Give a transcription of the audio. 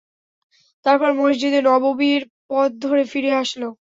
তারপর মসজিদে নববীর পথ ধরে ফিরে আসল।